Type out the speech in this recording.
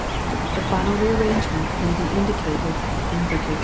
The final re arrangement may be indicated in fig.